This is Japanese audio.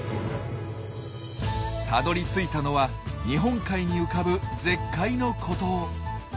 たどりついたのは日本海に浮かぶ絶海の孤島。